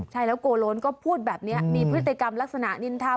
ใช่แล้วโกโลนก็พูดแบบนี้มีพฤติกรรมลักษณะนินทา